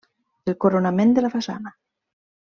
El coronament de la façana.